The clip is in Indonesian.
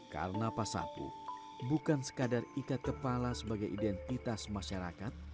karena pas sapu bukan sekadar ikat kepala sebagai identitas masyarakat